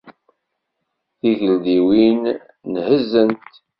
Tigeldiwin nhezzent.